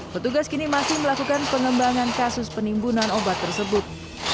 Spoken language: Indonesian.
petugas kini masih melakukan pengembangan kasus penimbunan obat tersebut